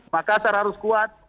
makassar harus kuat